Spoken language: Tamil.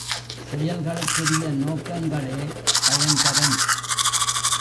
செயல்களுக்குரிய நோக்கங்களே பயன்தரும்.